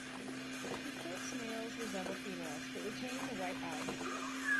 Eclipse males resemble females, but retain the white eye.